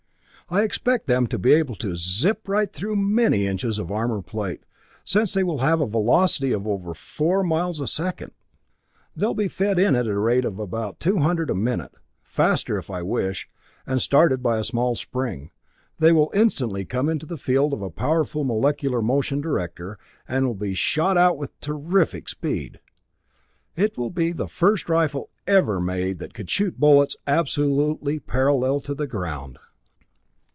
I expect them to be able to zip right through many inches of armour plate, since they will have a velocity of over four miles a second. "They'll be fed in at the rate of about two hundred a minute faster if I wish, and started by a small spring. They will instantly come into the field of a powerful molecular motion director, and will be shot out with terrific speed. It will be the first rifle ever made that could shoot bullets absolutely parallel to the ground.